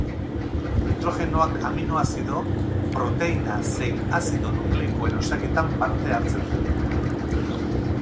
Nitrogenoak aminoazido, proteina zein azido nukleikoen osaketan parte hartzen du.